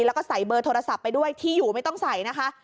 แล้วก็ใส่เบอร์โทรศัพท์ไปด้วยที่อยู่ไม่ต้องใส่นะคะ